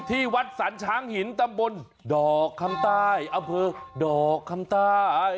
ที่วัดสรรค์ช้างหินตรัมบลดอกค้ำตาห์๕